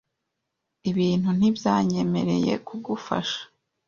Ibintu ntibyanyemereye kugufasha.